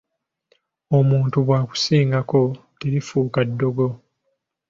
Omuntu bw’akusingako terifuuka ddogo.